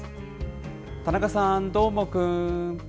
田中さん、どーもくん。